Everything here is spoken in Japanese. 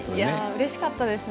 うれしかったです。